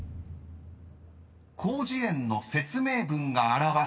［広辞苑の説明文が表す